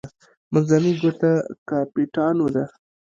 منځنۍ ګوته کاپیټانو ده.